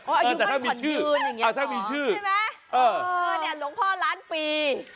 อายุมันผ่อนยืนอย่างนี้หรอใช่ไหมหลวงพ่อล้านปี